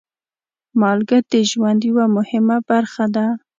مالګه د ژوند یوه مهمه برخه ده.